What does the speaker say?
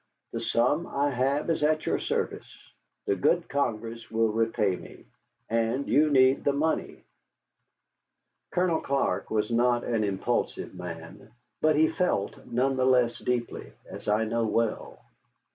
The sum I have is at your service. The good Congress will repay me. And you need the money." Colonel Clark was not an impulsive man, but he felt none the less deeply, as I know well.